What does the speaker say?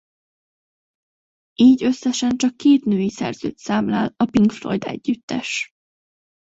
Így összesen csak két női szerzőt számlál a Pink Floyd együttes.